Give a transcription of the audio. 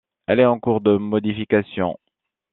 Elle est en cours de modification.